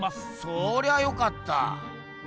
そりゃよかった。